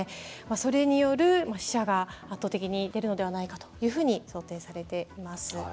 それによる死者が圧倒的に出るのではないかと想定されています。